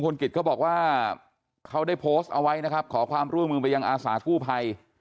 แล้วเนี่ยก็บอกว่าเขาได้โพสต์เอาไว้นะครับขอความร่วงลงมือไปยังอาศาสตร์กู่ภัย